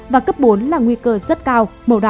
và cấp bốn là nguy cơ rất cao màu đỏ